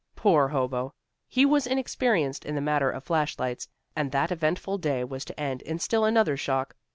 Poor Hobo! He was inexperienced in the matter of flash lights, and that eventful day was to end in still another shock.